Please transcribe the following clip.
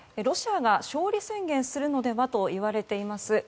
ロシアが勝利宣言をするのではといわれています